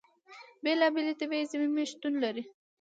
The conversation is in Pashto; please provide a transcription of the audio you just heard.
بېلابېلې طبیعي زیرمې شتون لري.